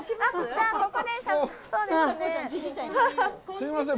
すいません。